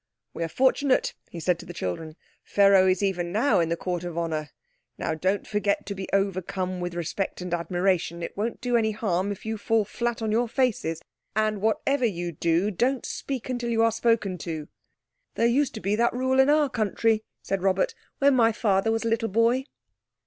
"We are fortunate," he said to the children, "Pharaoh is even now in the Court of Honour. Now, don't forget to be overcome with respect and admiration. It won't do any harm if you fall flat on your faces. And whatever you do, don't speak until you're spoken to." "There used to be that rule in our country," said Robert, "when my father was a little boy."